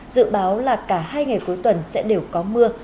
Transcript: dự báo là cả hai ngày cuối tuần sẽ đều có mưa